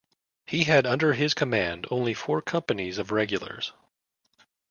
He had under his command only four companies of regulars.